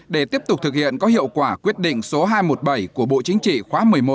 để tiếp tục thực hiện có hiệu quả quyết định số hai trăm một mươi bảy của bộ chính trị khóa một mươi một